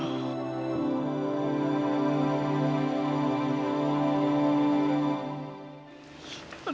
jadi gue mau pergi